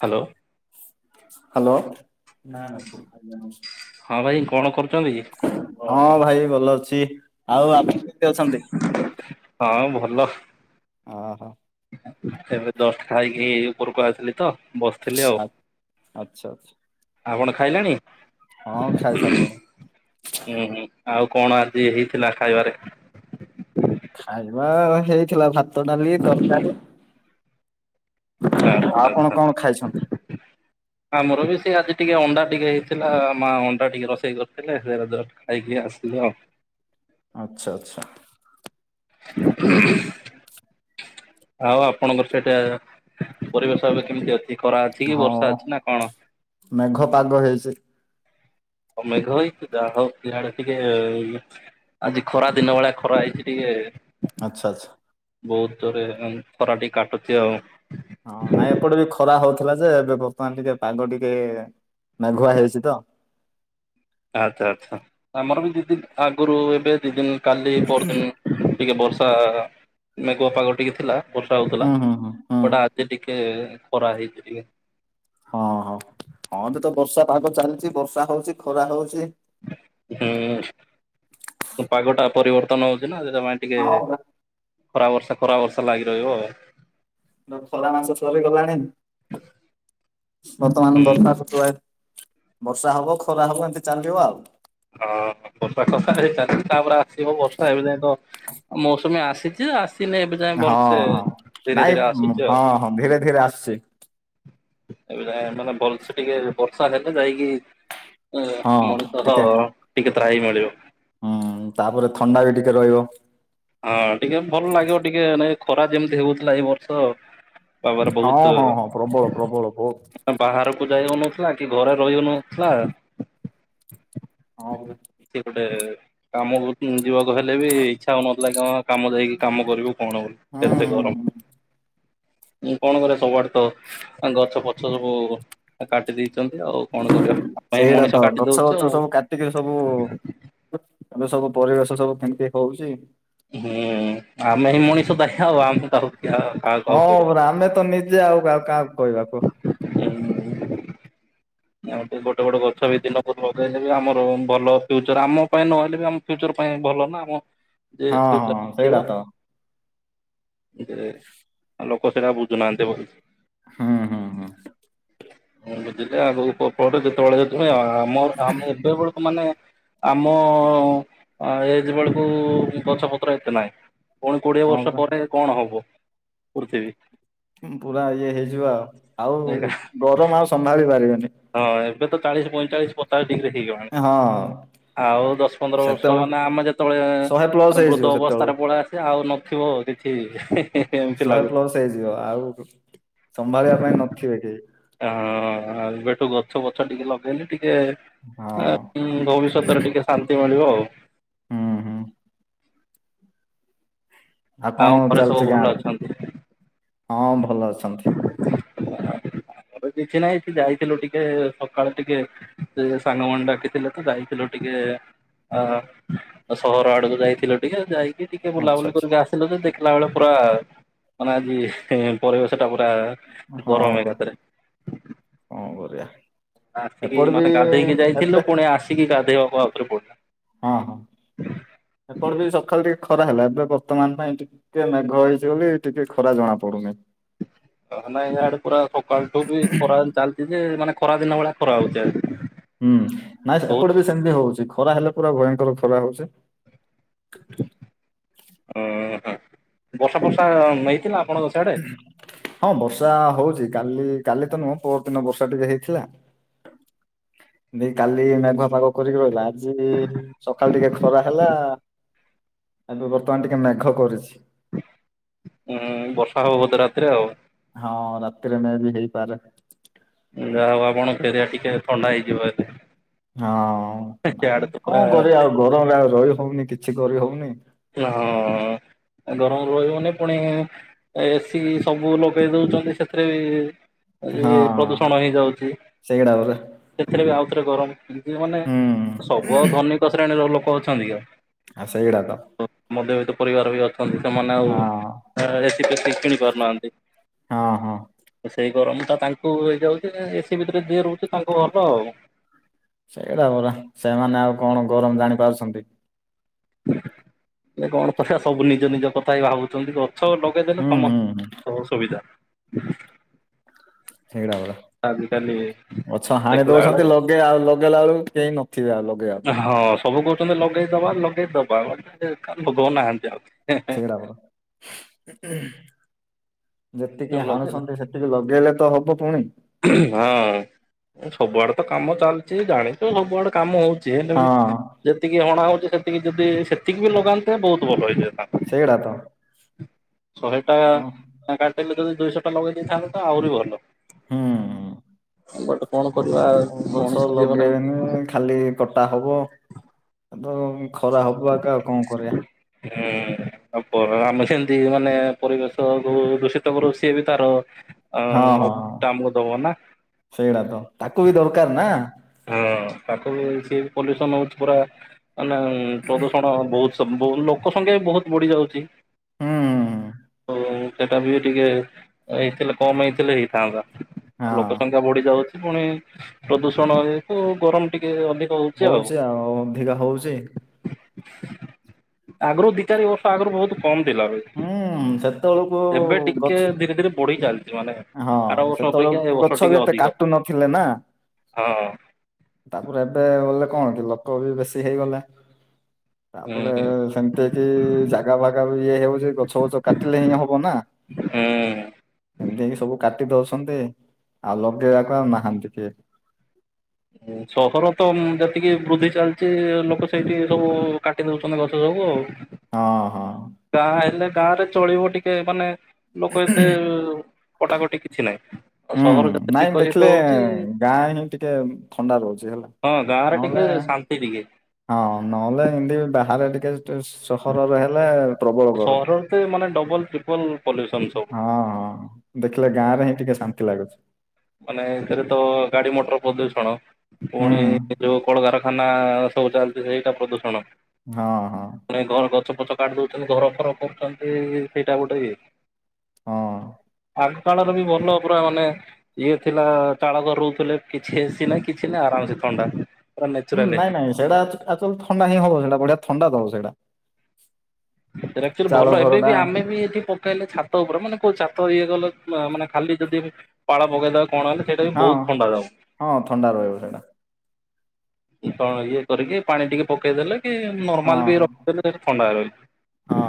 ହା ଲୋ। ହାଲୋ। ହଁ ଭାଇ କଣ କରୁଚନ୍ତି। ହଁ ଭାଇ ଭଲ ଅଛି ଆଉ ଆ ହଁ ଭଲ। ଅ ହ। ତବେ ଜଷ୍ଟ ଖାଇକି ଉପରକୁ ଆସଥିଲି ତ। ବସିଥିଲି ଆଉ। ଆ ଆଚ୍ଛା ଆଛା। ଆପଣ ଖାଇଲେଣି। ହଁ ଖାଇ ସାରିଲେଣି। ହୁଁ ହୁଁ ଆଉ କଣ ଆଜି ଖାଇବା ଆଉ ଆଚ୍ଛା ଆପଣ ଆଚ୍ଛା। କଣ ଖାଇଛନ୍ତି? ଟିକେ ଅଣ୍ଡା ଟିକେ ହେଇଥିଲା ମା [inaudible] ଆଚ୍ଛା ଆଚ୍ଛା [inaudible] ଆଉ ଆପଣଙ୍କର ସେଇଟା ପରିବେଶ ଏବେ କେମିତି ଅ ଏଇ ଖରା ଅଛି କି ବର୍ଷା ହଁ ଅଛି ନା ମେଘ ପାଗ ହେଇଛି ଆଉ ମେଘ ଆଜି ଖରା ଦିନ ଭଳିଆ ଖରା ହେଇଛି ଟିକେ। ଆଚ୍ଛା ଆଚ୍ଛା। ବୋହୁତ ଦୂରେ ହେଲାଣି। ହଁ ନାଇଁ ଏପଟେ ବି ଖରା ହୋଉଥି ଥିଲା ଯେ ଏବେ ବର୍ତ୍ତମାନ ଟିକେ ପାଗ ଟିକେ ଆଚ୍ଛା ଆଚ୍ଛା ଆମର ବି ଦି ଦିନ ଆଗୁରୁ ଏବେ ଦି ଦିନ କାଲି ପରଦିନ୍ ଟିକେ ବର୍ଷା ମେ ଏ ହୁଁ ହୁଁ ହୁଁ ହୁଁ ଖରା ହେଇଚି ଟିକେ। ହଁ ହଁ। ହୁଁ ପାଗଟା ପରିବର୍ତ୍ତନ ହଉଛି ନା ଜମା ଟିକେ ହଁ ଏବେ ଖରା ମାସ ହୁଁ ବର୍ଷା ହବ ଖରା ହବ ଏମିତି ଚାଲିବ ଆଉ ହଁ ବର୍ଷା କଥା ହେଇ ଚାଲିଛି ତାପରେ ଆସିବ ବର୍ଷା ହେବେ ଯାଇ ତ ମୌସୁମୀ ଆସିଛି ଆସି ଦିନେ ଏବେ ଯାଇ ହଁ ଭଲସେ ହଁ ଧୀରେ ନାଇଁ ଧୀରେ ଆସୁଛି ଆଉ ହଁ ହଁ ଧୀରେ ଧୀରେ ଆସୁଛି ଏବେ ମାନେ ଭଲସ ଟିକେ ବର୍ଷା ହେଲେ ଯାଇକ ଏ ହଁ ମଣିଷ ଟିକେ ହଁ ଟିକେ ତ୍ରାହି ମିଳିବ। ହୁଁ ତାପରେ ଥଣ୍ଡା ବି ଟିକେ ରହିବ। ହଁ ଟିକେ ଭଲ ଲାଗିବ ଟିକେ ନାଇ ଖରା ଯେମିତି ହଉଥିଲା ଏଇ ବର୍ଷ ବାବାର ହଁ ବହୁତ ହଁ ହଁ ପ୍ରବଳ ପ୍ରବଳ ବହୁତ। ବାହାର କୁ ଯାଇହୋଇନଥିଲା କି ଘରେ ରହିହୋଇନଥିଲା ହଁ ପରା କାମ ହୋଉ ଯିବାକୁ ହେଲେ ବି ଇଚ୍ଛା ହଉନଥିଲା କଣ କାମ ଯାଇକି କାମ କରିବୁ କଣ ହୁଁ କେତେ ହୁଁ ଗରମ୍ ହୁଁ। କଣ କରେ ସବୁଆଡେ ତ ଗଛ ପଛ ସବୁ କାଟି ଦେଇ ଚନ୍ତି ଆଉ କଣ କରିବା ଆ ପାଇଁ ସେଇଟା ତ ମଣିଷ କାଟି ଗଛ ଦଉଚ ଗଛ ଆଉ ସବୁ ଏମେ ସବୁ ପରିବେଶ ସବୁ କେମିତି ହଉଛି ହୁଁ ଆମେ ହି ମଣିଷ ତାୟ ହବା ଆଉ ଆମେ ତ ହଁ ପରାଆମେ ତ ନିଜେ ଆଉ କାହାକୁ କହିବା କୁଅ ଆଉ ଟିକେ ଗୋଟେ ଗୋଟେ ଗଛ ବି ଦିନକୁ ଲଗେଇଲେ ବି ଆମର ଭଲ ଫ୍ୟୁଚର ଆମ ପାଇଁ ନହେଲେ ବି ଆମ ଫ୍ୟୁଚର ପାଇ ଭଲ ନା ଆମ ହଁ ଫ୍ୟୁ ଚର ହଁ ସେଇଟା ଥିବ। ତ। ଆଉ ଲୋକ ସେଇଟା ବୁଝୁନାହାନ୍ତି ବୋଲି ହଁ ହଁ ହଁ ହଁ ବୁଝିଲେ ଆଗ ଉପଳରେ ଯେତେବେଳେୁଁ ଆ ଆମର ଆମେ ଏବେ ବଳକୁ ମାନେ ଆମ ଏଜେ ବେଳକୁ ଗଛ ପତ୍ର ଏତେ ନାହିଁ। ପୁଣି କୋଡିଏ ହଁ ବର୍ଷ ପରା। ପରେ କଣ ହବ ପୃଥିବୀ? ପୁରା ଇଏ ହେଇଯିବ ଆଉ ଆଉ ଗରମ ଆଉ ସମ୍ଭାଳି ପାରିବେନି ହଁ ଏବେ ତ ଚାଳିଶ ପଇଁଚାଳିଶ ପଚାଶ ଡିଗ୍ରୀ ହେଇଗଲାଣି ହଁ ଆଉ ଦଶ ପନ୍ଦର ବର୍ଷ ସେତେବେଳେ ମାନେ ଆମେ ଶହେ ପ୍ଲସ୍ ଯେତେବେଳେ ହେଇଯିବ ବୃଦ୍ଧ ସେତେବେଳେ ଅବସ୍ଥାରେ ପଳେଇ ଆସେ ଆଉ ନ ଥିବ କିଛି ହେ ହେଁ ଶହେ ପ୍ଲସ ହେଇଯିବ ଆଉ ସମ୍ଭାଳିବା ପାଇଁ ନଥିବେ କେହି ହ ଏବେଠୁ ଗଛ ବଛ ଟିକେ ଲଗେଇଲି ଟିକେ ହଁ ଟେ ଏ ଭବିଷ୍ୟତରେ ଟିକେ ଶାନ୍ତି ମିଳିବ ଆଉ ହୁଁ ହୁଁ ଆଉ କଣ ଘରେ ସବୁ ଚାଲିଛି ଭଲ ଗାଁରେ ଅଛନ୍ତି। ହଁ ଭଲ ଅଛନ୍ତି। [unintelligible] ଏବେ କିଛି ନାହିଁ ଯାଇଥିଲୁ ଟିକେ ସକାଳେ ଟିକେ ସେ ସାଙ୍ଗମାନେ ଡାକିଥିଲେ ତ ଯାଇଥିଲୁ ଟିକେ ଟିକେ ଆ ସହର ଆଡକୁ ଯାଇଥିଲ ଟିକେ ଯାଇକି ଟିକେ ଆଚ୍ଛା ବୁଲାବୁଲି ଆଚ୍ଛା କରିକି ଆସିଲୁ ଯେ ଦେଖିଲା ବେଳେ ପୁରା ମାନେ ହେଁ ଆଜି ପରିବେଶ ସେଟା ପ ପା ହଁ ଗରମ ପରା ଏକାଥରେ କଣ କରିବା ଆସିକି ଏପଟେ ବି ମାନେ ଗାଧେଇକି ଏବେ ଯାଇଥିଲୁ ପୁଣି ଆସିକି ଗାଧୋଇବା ଆଉଥରେ ପଡିଲା। ହଁ ସକାଳୁ ଟିକେ ଖରା ହେଲା ଏବେ ବର୍ତ୍ତମାନ ପାଇଁ ଟିକେ ମେଘ ହେଇଛି ବୋଲି ଟିକେ ଖରା ଜଣା ପଡୁନି। ଅ ନାଇଁ ଇଆଡେ ପୁରା ସକାଳଠୁ ବି ଖରା ଚାଲିଛି ଯେ ମାନେ ଖରା ଦିନ ଭଳିଆ ଖରା ହଉଛି ଆଜି। ହୁଁ ନାଇଁ ବହୁତ। ଏପଟେ ବି ସେମତି ହଉଛି ଖରା ହେଲେ ପୁରା ଭୟଙ୍କର ଖରା ହଉଛି। ଓ ହ ବର୍ଷା ଫର୍ଷା ଅ ନେଇଥିଲା। ହଁ ବର୍ଷା ହଉଚି। କାଲି କାଲି ତ ନୁହଁ ପଅରଦିନ ବର୍ଷା ଟିକେ ହେଇଥିଲା ଦେଇ କି କାଲି ମେଘୁଆ ପାଗ କରିକି ରହିଲା ଆଜି ସଖାଳ ଟିକେ ଖରା ହେଲା ଏବେ ବର୍ତ୍ତମାନ ଟିକେ ମେଘ କରିୁଛି। ଉଁ ବର୍ଷା ହବ ବୋଧ ରାତିରେ ଆଉ। ହଁ ରାତିରେ ମେ ବି ହେଇପାରେ। ଯାହା ହଉ ଆପଣ ଏରିଆ ଟିକେ ଥଣ୍ଡା ହେଇଯିବ ହେଲେ। ହଁ ନାଇଁ ଇଆଡେ ତ ପୁରା କଣ କରିବା ଆଉ ଗରମରେ ଆଉ ରହି ହଉନି କିଛି କରି ହଉନି ହଁ ଗରମ ରୁ ରହିହେଉନି ପୁଣି ଏସି ସବୁ ଲଗେଇ ଦଉଛନ୍ତି ସେଥିରେ ବି ହଁ ଏ ହଁ ପ୍ରଦୂଷଣ ହେଇଯାଉଛି ସେଇଗୁଡା ପରା ସେଥିରେ ବି ଆଉଥରେ ଗରମ ମାନେ ହୁଁ ସବୁ ଆଉ ଧନିକ ଶ୍ରେଣୀର ଲୋକ ଅଛନ୍ତିକି ଆଉ ଆଉ ସେଇଗୁଡା ତ ମଧ୍ୟବିତ୍ତ ପରିବାର ବି ଅଛ ସେମାନେ ଆଉ ହଁ ଏସି ଫେସି କିଣି ପାରୁନାହାନ୍ତି ହଁ ହଁ ସେଇ ଗରମ ଟା ତାଙ୍କୁ ହେଇଯାଉଛି ଏସି ଭିତରେ ଯିଏ ରହୁଛି ତାଙ୍କୁ ଭଲ ଆଉ। ସେଇଟା ପରା ସେମାନେ ଆଉ କଣ ଗରମ ଜାଣିପାରୁଛନ୍ତି ଏ କଣ କଥା ସବୁ ନିଜ ନିଜ କଥା ହିଁ ଭାବୁଛନ୍ତି ଗଛ ଲଗେଇଦେଲେ ହୁଁ ହୁଁ ହୁଁ ସମସ୍ତଙ୍କର ସୁବିଧା। ସେଇଟା ପା ଆଜିକାଲି ଗଛ ହାଣି ଦେଖିଲା ବେଳେ ଦଉଛନ୍ତି ଲଗେଇ ଆଉ ଲଗେଇଲା ବେଳକୁ କେହି ନଥିବେ ଆଉ ଲଗେଇବା ପାଇଁ। ହଁ ସବୁ କହୁଛନ୍ତି ଲଗେଇଦବା ଲଗେଇଦବା [unintelligible] ଲଗଉନାହାନ୍ତି ଆଉ ସେଇଟା ପରା ଯେତିକି ଲଗେଇଲେ ହାଣୁଛନ୍ତି ସେତିକି ଲଗେଇଲେ ତ ହବ ପୁଣି ହଁ ସବୁଆଡେ ତ କାମ ଚାଲିଛି ଜାଣିଛୁ ସବୁଆଡେ କାମ ହଉ ଯେ ହେଲେ ବି ହଁ ଯେତିକି ହଣା ହଉଛି ସେତିକି ଯଦି ସେତିକି ବି ଲଗାନ୍ତେ ବହୁତ ଭଲ ହେଇଯାଆନ୍ତା। ସେଇଗୁଡା ତ ଶହେ ଟା ଆଉ ନା କାଟିଲି ଯଦି ଦୁଇଶହ ଟା ଲଗେଇ ଦେଇଥାନ୍ତେ ତ ଆହୁରି ଭଲ। ହୁଁ। ଗୋଟେ କଣ କରିବା ଆଉ ଗଛ ମଣିଷ ଜୀବନ ଲଗେଇବେନି ଏମିତି ଖାଲି କଟା ହବ। ତ ଖରା ହବ ଆ କା ଆଉ କଣ କରିବା। ହୁଁ। [unintelligible] ଆମେ ସେମିତି ମାନେ ପରିବେଶକୁ ଦୂଷିତ କରୁ ସିଏ ବି ତାର ହଁ ହଁ ହଁ ଟା ଆମକୁ ଦବ ନା ସେଇଟା ତ ତାକୁ ବି ଦରକାର ନା ହଁ ତାକୁ ବି ସିଏ ବି ପଲ୍ୟୁସନ ହଉଛି ପୁରା ମାନେ ପ୍ରଦୂଷଣ ବହୁ ଲୋକ ସଂଖ୍ୟା ବି ବହୁତ ବଢି ଯାଉଛି। ହୁଁ ତ ସେଟା ବି ଟିକେ ହେଇଥିଲେ କମ ହେଇଥିଲେ ହେଇଥାନ୍ତା ଆଉ ହଁ। ଲୋକ ସଂଖ୍ୟା ବଢି ଯାଉଛି ପୁଣି ପ୍ରଦୂଷଣ ଯେହେତୁ ଗରମ ଟିକେ ଅଧି ହଉଛି ଆଉ ଅଧିକା ହଉଛି। ଆଗରୁ ଦି ଚାରି ବର୍ଷ ଆଗରୁ ବହୁତ କମଥିଲା ହୁଁ ସେତେବେଳକୁ ଏବେ ଗଛ ଟିକେ ଧୀରେ ଧୀରେ ବଢି ଚାଲିଛି ମାନେ ହଁ ଆର ବର୍ଷ ଅପେକ୍ଷା ଏ ସେତେବେଳେ ବର୍ଷ ଟିକେ ଗଛବି ଏତେ ଅଧିକ କାଟୁ ନଥିଲେ ନା। ହଁ ତାପରେ ଏବେ ବୋଲେ କଣକି ଲୋକବି ବେଶୀ ହେଇଗଲେ ତାପରେ ହୁଁ ସେମତି କି ଜାଗା ଫାଗାବି ଇଏ ହଉଛି ଗଛ ପଛ କାଟିଲେ ହିଁ ହବ ନା ଏମିତି ହେଇକି ହୁଁ। ସବୁ କାଟି ଦଉଛନ୍ତି ଆଉ ଲଗେଇବାକୁ ଆଉ ନାହାନ୍ତି କିଏ ସହରତ ଯେତିକି ବୃଦ୍ଧି ଚାଲିଛି ଲୋକ ସେଇଠି ସବୁ କାଟି ଦଉଛନ୍ତି ଗଛ ସବୁ ଆଉ ହଁ ହଁ। ଯାହା ହେଲେ ଗାଁରେ ଚଳିବ ଟିକେ ମାନେ ଲୋକ ଏତେ କଟାକଟି କିଛି ନାହିଁ। ଆଉ ହୁଁ ସହର ଯେତେ ନାଇଁ ବିକଶିତ ଦେଖିଲେ ହଉଛି ଗାଁ ହିଁ ଟିକେ ଥଣ୍ଡା ରହୁଛି ହେଲା। ହଁ ଗାଁରେ ନହେଲେ ଟିକେ ଶାନ୍ତି ଟିକେ ହଁ ନହେଲେ ଏମିତି ବାହାରେ ଟିକେ ସହରରେ ହେଲେ ପ୍ରବଳ ଗରମ ସହରରେ ତ ମାନେ ଡବଲ ଟ୍ରିପଲ ପଲ୍ୟୁସନ ସବୁ ହଁ ହଁ ଦେଖିଲେ ଗାଁରେ ହିଁ ଟିକେ ଶାନ୍ତି ଲାଗୁଛି। ମାନେ ଏକରେ ତ ଗାଡି ମଟର ପ୍ରଦୂଷଣ ହୁଁ ପୁଣି ଯୋଉ କଳକାରଖାନା ସବୁ ଚାଲଛି ସେଇଟା ପ୍ରଦୂଷଣ ହଁ ହଁ ମେ କଣ ଗଛ ଫଛ କାଟିି ଦଉଛ ଘର ଫର କରୁଛନ୍ତି ସେଇଟା ଗୋଟେ ଇଏ ହଁ। ଆଗ କାଳରେବି ଭଲ ପୁରା ମାନେ ଇଏ ଥିଲା ଚାଳଘର ରହୁଥିଲେ, କିଛିଏସି ନାହିଁ କିଛି ନାହିଁ ଆରାମସେ ଥଣ୍ଡା ପୁରା ହୁଁ ନେଚୁରାଲ ନାଇଁ ଏସି ନାଇଁ ସେଇଡା ଆଦୋଉଁ ଥଣ୍ଡା ହିଁ ହଉନଥିଲା, ବଢିଆ ଥଣ୍ଡା ଦବ ସେଇଡା ଆକ୍ଲୂଆଲି ଭଲ ଘର ଟା ଏବେବି ଆମେ ବି ଏଠି ପକେଇଲେ ଛାତ ଉପରେ ମାନେ କୋଉ ଛାତ ଇଏ କଲ ମାନେ ଖାଲି ଯଦି ପାଳ ପକେଇଦବା ଛଣ ହେଲେ ସେଇଟା ବି ହଁ ବହୁତ ଥଣ୍ଡା ଦବ ହଁ ଥଣ୍ଡା ରହିବ ସେଇଟା ଛଣ ଇଏ କରିକି ପାଣି ଟିକେ ପକେଇଦେଲେ ହଁ ନର୍ମାଲବି ରଖିଦେଲେ ଥଣ୍ଡା ରହିବ। ହଁ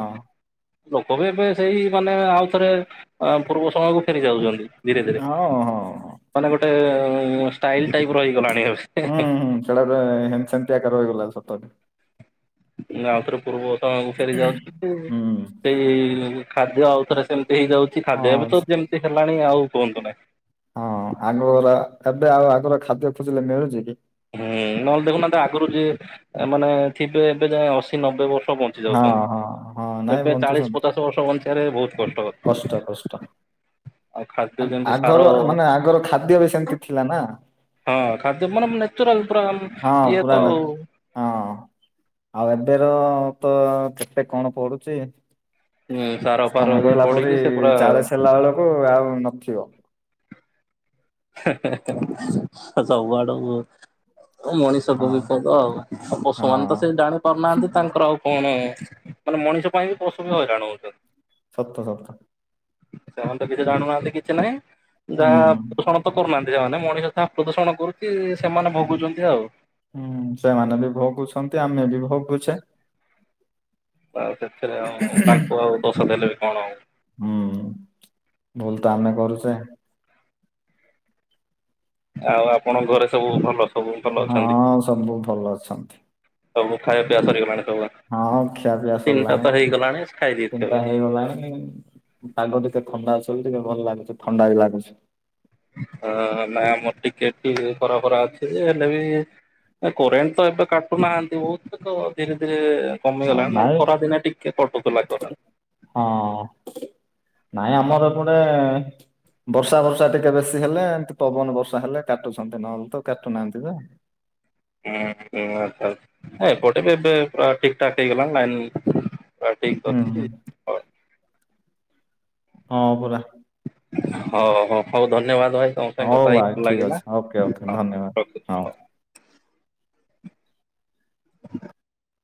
ଲୋକବି ଏବେ ସେଇ ମାନେ ଆଉଥରେ ପୂର୍ବ ସମୟକୁ ଫେରି ଯାଉଛନ୍ତି ଧୀରେ ଧୀରେ ହଁ ହଁ। ମାନେ ଗୋଟେ ଷ୍ଟାଇଲ ଟାଇପର ହେଇଗଲାଣି ଏବେ ସେଇଗୁଡ଼ା ସେତବଳେ ହେମସେମିତି ଆକାରରେ ରହିଲା ସତରେ ଆଉଥରେ ପୂର୍ବକାଳକୁ ଫେରି ଯାଅନ୍ତୁ, ହୁଁ। ସେଇ ଏଇ ଖାଦ୍ୟ ଆଉଥରେ ସେମତି ହେଇଯାଉଛି ହଁ ଖାଦ୍ୟ ଏବେତ ଯେମିତି ହେଲାଣି ଆଉ କୁହନ୍ତୁ ନାହିଁ ହଁ ଆଗରା ଏବେ ଆଉ ଆଗର ଖାଦ୍ୟ ଖୋଜିଲେ ମିଳୁଛିକି? ହୁଁ ନହେଲେ ଦେଖୁନାହାନ୍ତି, ଆଗରୁଯିଏ ମାନେ ଥିବେ ଏବେଯାଏ ଅଶୀ ନବେ ବର୍ଷ ବଞ୍ଚି ହଁ ଯାଉଛନ୍ତି, ହଁ ହଁ ନାଇଁ ଏବେ ଚାଳିଶ ବଞ୍ଚୁଛନ୍ତି ପଚାଶ ବର୍ଷ ବଞ୍ଚିବାରେ ବହୁତ କଷ୍ଟ କଥା ଆଗର ମାନେ ଆଗର ଖାଦ୍ୟବି ସେମିତି ଥିଲାନା ହଁ ଖାଦ୍ୟ ମାନେ ନେଚୁ ରାଲ ପୁରା ହଁ ପୁରା ଇଏତ ନ ହଁ ଆଉ ଏବେର ତ କେତେ କଣ ପଡୁଛି? ହୁଁ ସାର ଫାର ତମେ ଇଏ କହିଲା ପରି ପଡିକି ସେ ପୁରା ଚାଳିଶି ହେଲାବେଳକୁ ଆଉ ନଥିବ ହେ-ହେ-ହେ ସ ସବୁଆଡକୁ ତ ହଁ ମଣିଷକୁ ବିପଦ ଆଉ ପଶୁମାନେତ ହଁ। ସେ ଜାଣିପାରୁନାହାନ୍ତି, ତାଙ୍କର ଆଉ କଣ ମାନେ ମଣିଷ ପାଇଁ ପଶୁବି ହଇରାଣ ହଉଛନ୍ତି। ସତ ସତ ସେମାନେ ତ କିଛି ଜାଣୁନାହାନ୍ତି, କିଛି ନାହିଁ ହୁଁ ଯାହା ପୋଷଣ ତ କରୁନାହାନ୍ତି ସେମାନେ ମଣିଷ ତାହା ପ୍ରଦୂଷଣ କରୁଛି, ସେମାନେ ଭୋଗୁଛନ୍ତି ଆଉ ହୁଁ ସେମାନେ ବି ଭୋଗୁଛନ୍ତି, ଆମେବି ଭୋଗୁଛେ ଆଉ ସେଥିରେଆଉ, ତାଙ୍କୁ ଆଉ ଦୋଷ ଦେଲେବି କଣ ହୁଁ ଭୁଲତ ଆମେ କରୁଛେ ଆଉ ଆପଣଙ୍କ ଘରେସବୁ ଭଲ? ସବୁ ଭଲ ଅଛନ୍ତି ହଁ ସବୁ ଭଲଅଛନ୍ତି। ସବୁ ଖାଇବା ପିଇବା ସରି ଗଲାଣି? ହଁ ଖିଆ ପିଆ ସରିଲାଣି। ହେଇଗଲାଣି ଖାଇ ଦେଇଥିବେ। ଚିନ୍ତା ହେଇଗଲାଣି ପାଗ ଟିକେ ଥଣ୍ଡା ଅ ଟିକେ ଭଲ ଲାଗୁଚ ଥଣ୍ଡା ବି ଲାଗୁଛି। ହ ନାଇ ଆମର ଟିକେଟ ଖରା ଖରା ଅଛି, ଯେ ହେଲେ ବି କୋରେନ୍ ତ ଏବେ କାଟୁନାହାନ୍ତି, ବହୁତକ ଧୀରେ ଧୀରେ ହଁ କମିଗଲା ନାଇଁ ଖରା ଦିନେ ଟିକେ କଟକ ଲାଗ ହଁ ନାଇଁ ଆମର ଗଟେ ବର୍ଷା ବର୍ଷା ଟିକେ ବେଶୀ ହେଲେ, ଏମତି ପବନ ବର୍ଷା ହେଲେ କାଟୁଛନ୍ତି, ନହେଲେ ତ କାଟୁନାହାନ୍ତି ତ। ହୁଁ ହୁଁ ଆଛା, ଏପଟେ ବି ଏବେ ପୁରା ଠିକଠାକ ହେଇଗଲାଣି ଲାଇନ ହ ଠିକ ହୁଁ ହୁଁ ଅଛି ହଁ ପରା ହଉ ହଉ ହଉ ଧନ୍ୟବାଦ। ଭାଇ ସାଙ୍ଗେ ହଉ କଥା ହେଇ ଭାଇ ଭଲ ଠିକ ଲାଗିଲା ଅଛି ଓକେ ଓକେ ହଉ, ଧନ୍ୟବାଦ ରଖୁଛି ହଉ। [inaudible]